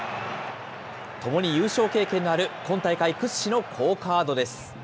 ともに優勝経験のある今大会屈指の好カードです。